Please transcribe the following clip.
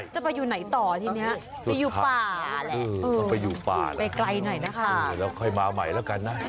จะไปอยู่ไหนต่อทีเนี่ยไปอยู่ป่าแหละไปไกลไหนนะคะ